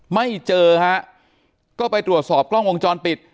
ไม่เจอฮะก็ไปตรวจสอบกล้องวงจรปิด